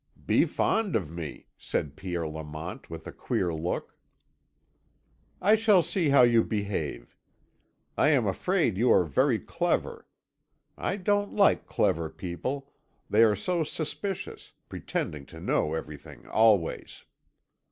"Be fond of me," said Pierre Lamont, with a queer look. "I shall see how you behave. I am afraid you are very clever. I don't like clever people, they are so suspicious, pretending to know everything always."